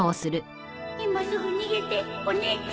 今すぐ逃げてお姉ちゃん